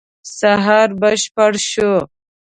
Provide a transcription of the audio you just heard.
سهار بشپړ شو.